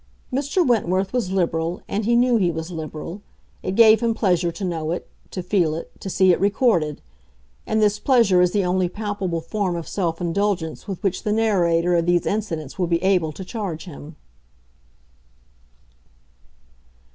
Mr. Wentworth was liberal, and he knew he was liberal. It gave him pleasure to know it, to feel it, to see it recorded; and this pleasure is the only palpable form of self indulgence with which the narrator of these incidents will be able to charge him.